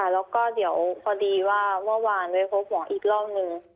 แล้วก็พอดีว่าเมื่อวานไปพบหมออีกรอบนึง